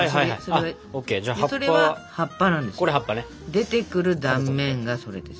出てくる断面がそれです。